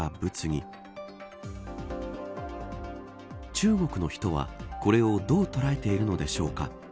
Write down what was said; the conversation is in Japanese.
中国の人はこれをどう捉えているのでしょうか。